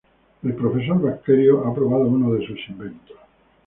El profesor Bacterio ha probado uno de sus inventos.